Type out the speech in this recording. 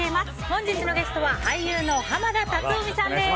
本日のゲストは俳優の濱田龍臣さんです。